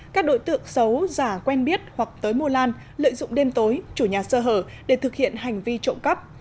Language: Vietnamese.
các đối tượng xấu giả quen biết hoặc tới mô lan lợi dụng đêm tối chủ nhà sơ hở để thực hiện hành vi trộm cắp